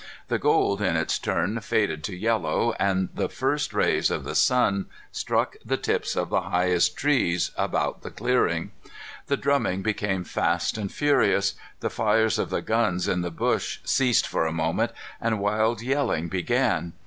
The gold, in its turn, faded to yellow, and the first rays of the sun struck the tips of the highest trees about the clearing. The drumming became fast and furious. The fires of the guns in the bush ceased for a moment, and wild yelling began.